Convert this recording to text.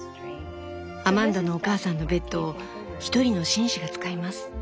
アマンダのお母さんのベッドを１人の紳士が使います。